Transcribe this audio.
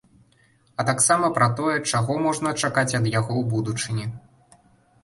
А таксама пра тое, чаго можна чакаць ад яго ў будучыні.